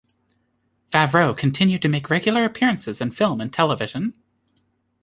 Favreau continued to make regular appearances in film and television.